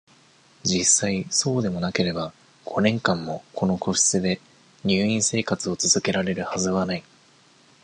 実際、そうでもなければ、五年間も、ここの個室で、入院生活を続けられるはずはない。